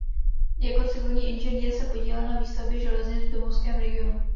Jako civilní inženýr se podílel na výstavbě železnic v domovském regionu.